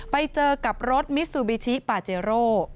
ไปเจอกับรถมิซูบิชิปาเจโร่